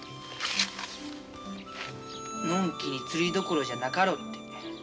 のんきに釣りどころじゃなかろうって。